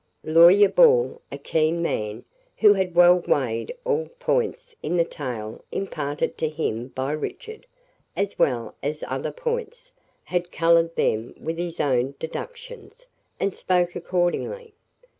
Lawyer Ball, a keen man, who had well weighed all points in the tale imparted to him by Richard, as well as other points, had colored them with his own deductions, and spoke accordingly.